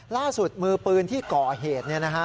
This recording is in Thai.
ล่าสุดมือปืนที่ก่อเหตุ